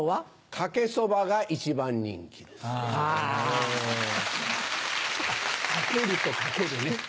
「賭ける」と「かける」ね。